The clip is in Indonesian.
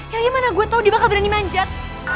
ya liat mana gue tau dia bakal berani manjat